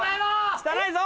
・汚いぞ。